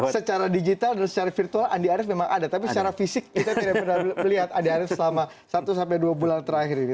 secara digital dan secara virtual andi arief memang ada tapi secara fisik kita tidak pernah melihat andi arief selama satu sampai dua bulan terakhir ini